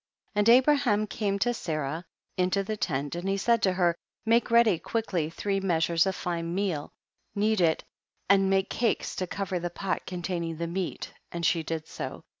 7. And Abraham came to Sarah into the tent, and he said to her, make ready quickly three measures of fine meal, knead it and make cakes to cover the pot containing the meat, and she did so.